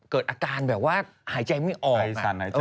เกิดอาการแบบว่าหายใจไม่ออก